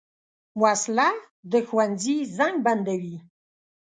وسله د ښوونځي زنګ بندوي